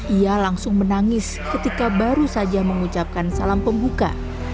ia langsung menangis ketika baru saja mengucapkan salam pembuka